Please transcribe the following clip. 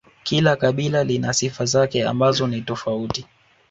kila kabila lina sifa zake ambazo ni tofauti